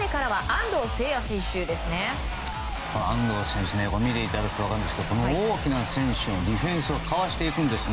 安藤選手、見ていただくと分かるんですけど大きな選手のディフェンスをかわしていくんです。